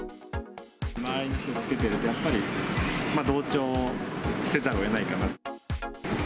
周りの人が着けてると、やっぱり同調せざるをえないかなって。